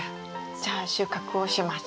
じゃあ収穫をします。